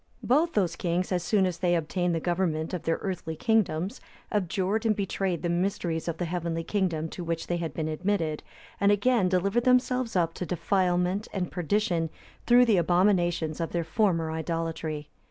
Both those kings,(284) as soon as they obtained the government of their earthly kingdoms, abjured and betrayed the mysteries of the heavenly kingdom to which they had been admitted, and again delivered themselves up to defilement and perdition through the abominations of their former idolatry.